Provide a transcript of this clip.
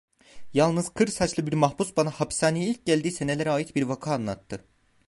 Yalnız kır saçlı bir mahpus bana hapishaneye ilk geldiği senelere ait bir vaka anlattı.